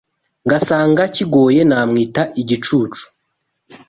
Ngasanga kigoye Namwita igicucu